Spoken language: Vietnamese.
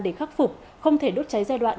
để khắc phục không thể đốt cháy giai đoạn